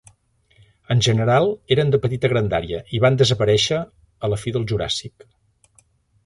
En general eren de petita grandària i van desaparèixer a la fi de Juràssic.